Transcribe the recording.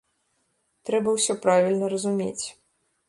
Трэба ўсё правільна разумець.